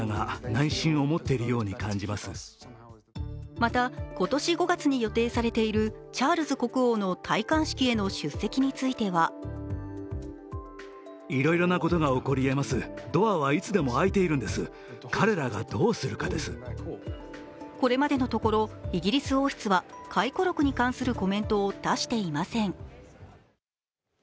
また今年５月に予定されているチャールズ国王の戴冠式への出席についてはこれまでのところ、イギリス王室は回顧録に関するコメントを出していません。